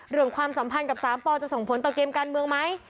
เรื่องความสัมพันธ์กับสามปอล์จะส่งผลต่อเกมการเมืองไหม